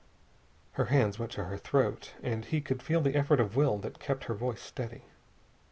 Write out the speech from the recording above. Her hands went to her throat, and he could feel the effort of will that kept her voice steady.